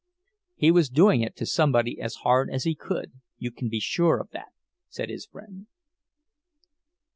"He was doing it to somebody as hard as he could, you can be sure of that," said his friend.